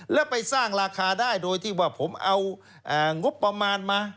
แล้วไปสร้างราคาได้โดยที่ว่าผมเอางบประมาณมา